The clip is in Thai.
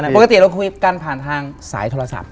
ปกติเราคุยกันผ่านทางสายโทรศัพท์